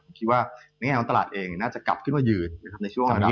ผมคิดว่าในระดับของตลาดเองน่าจะกลับขึ้นมายืดนะครับ